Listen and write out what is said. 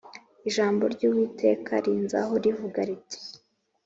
Ijambo ry Uwiteka rinzaho rivuga riti